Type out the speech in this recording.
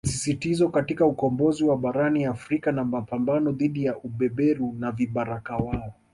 Msisitizo katika ukombozi wa Barani Afrika na mapambano dhidi ya ubeberu na vibaraka wao